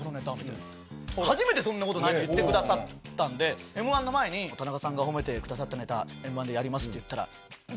初めてそんなこと言ってくださったんで『Ｍ−１』の前に「田中さんが褒めてくださったネタ『Ｍ−１』でやります」って言ったら。